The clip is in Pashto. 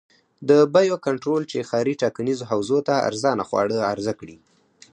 د بیو کنټرول چې ښاري ټاکنیزو حوزو ته ارزانه خواړه عرضه کړي.